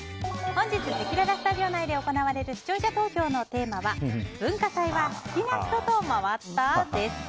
本日せきららスタジオ内で行われる視聴者投票のテーマは文化祭は好きな人と回った？です。